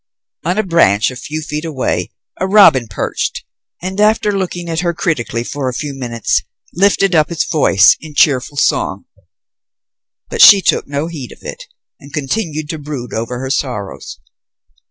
On a branch a few feet away, a robin perched, and after looking at her critically for a few moments lifted up its voice in cheerful song. But she took no heed of it, and continued to brood over her sorrows.